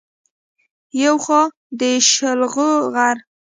يو خوا د شلخو غر